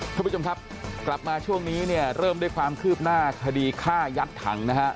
ท่านผู้ชมครับกลับมาช่วงนี้เนี่ยเริ่มด้วยความคืบหน้าคดีฆ่ายัดถังนะฮะ